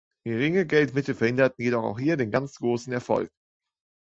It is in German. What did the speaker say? Geringe Geldmittel verhinderten jedoch auch hier den ganz großen Erfolg.